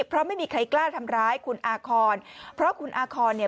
เพราะไม่มีใครกล้าทำร้ายคุณอาคอนเพราะคุณอาคอนเนี่ย